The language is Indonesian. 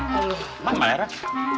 mana pak herak